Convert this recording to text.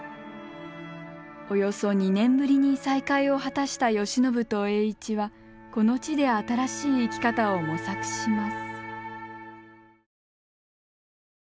およそ２年ぶりに再会を果たした慶喜と栄一はこの地で新しい生き方を模索します。